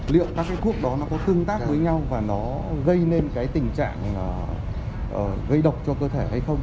liệu các cái thuốc đó nó có tương tác với nhau và nó gây nên cái tình trạng gây độc cho cơ thể hay không